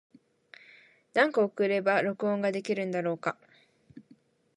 何個送れば録音ができるんだろうか。